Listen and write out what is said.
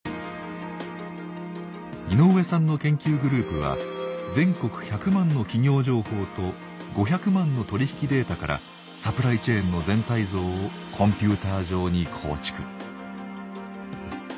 井上さんの研究グループは全国１００万の企業情報と５００万の取り引きデータからサプライチェーンの全体像をコンピューター上に構築。